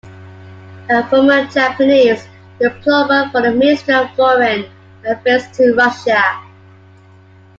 A former Japanese diplomat for the Ministry of Foreign Affairs to Russia.